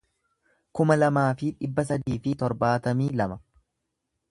kuma lamaa fi dhibba sadii fi torbaatamii lama